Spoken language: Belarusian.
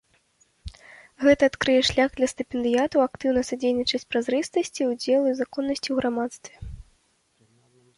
Гэта адкрые шлях для стыпендыятаў актыўна садзейнічаць празрыстасці, удзелу і законнасці ў грамадстве.